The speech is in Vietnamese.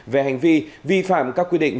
về hành vi vi phạm các quy định